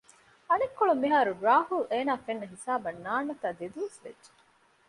އަނެއްކޮޅުން މިހާރު ރާހުލް އޭނާ ފެންނަ ހިސާބަށް ނާންނަތާ ދެދުވަސް ވެއްޖެ